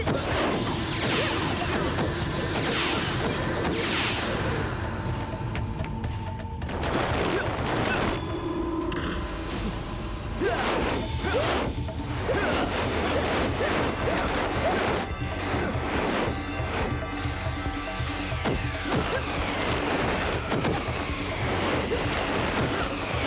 dasar siluman kau